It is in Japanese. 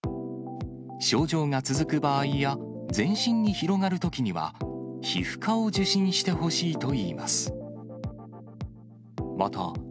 症状が続く場合や、全身に広がるときには、皮膚科を受診してほしいといいます。